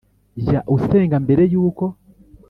Jya usenga mbere y uko